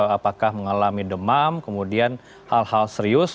apakah mengalami demam kemudian hal hal serius